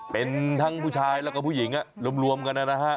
เป็นทั้งผู้ชายแล้วก็ผู้หญิงรวมกันนะฮะ